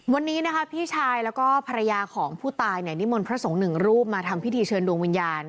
วันนี้นะคะพี่ชายแล้วก็ภรรยาของผู้ตายเนี่ยนิมนต์พระสงฆ์หนึ่งรูปมาทำพิธีเชิญดวงวิญญาณ